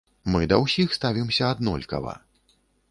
Мы да ўсіх ставімся аднолькава.